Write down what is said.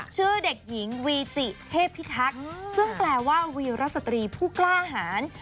ชื่อเด็กหญิงวีจิเทพิทักษ์ซึ่งแปลว่าวีรสตรีผู้กล้าหาร